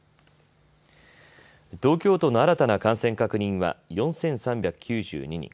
東京都の新たな感染確認は４３９２人。